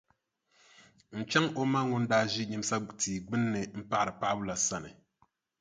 N-chaŋ o ma ŋun daa ʒi nyimsa tia gbunni m-paɣiri paɣibu la sani.